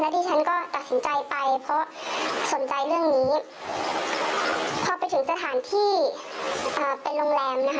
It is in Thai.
ที่ไหนโรงเรียนพอทะมอง